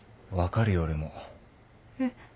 えっ？